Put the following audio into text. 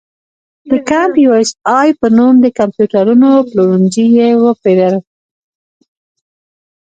د کمپ یو اس اې په نوم د کمپیوټرونو پلورنځي یې وپېرل.